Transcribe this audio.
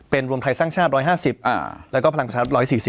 เป็นรวมไทยสร้างชาติ๑๕๐แล้วก็พลังประชารัฐ๑๔๐